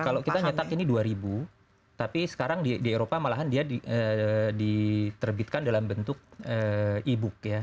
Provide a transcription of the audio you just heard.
kalau kita nyetak ini dua ribu tapi sekarang di eropa malahan dia diterbitkan dalam bentuk e book ya